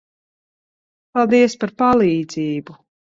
Paldies par palīdzību.